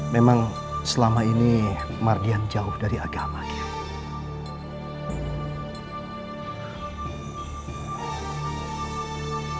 memang selama ini merdian jauh dari agamanya